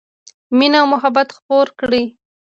مینه او محبت خپور کړئ